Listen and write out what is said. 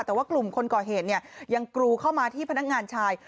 แต่ว่ากลุ่มคนก่อเหตุเนี่ยยังกรูเข้ามาที่พนักงานชาย